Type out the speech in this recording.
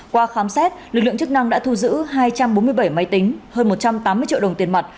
qua khám xét lực lượng chức năng đã thu giữ hai trăm bốn mươi bảy máy tính hơn một trăm tám mươi triệu đồng tiền mặt